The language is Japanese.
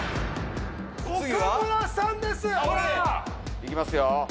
いきますよ。